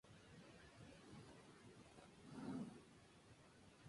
La Asamblea General se reúne ordinariamente dos veces por año.